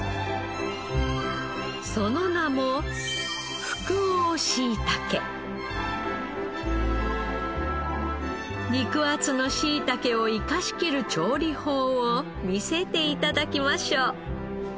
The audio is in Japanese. その名も肉厚のしいたけを生かしきる調理法を見せて頂きましょう。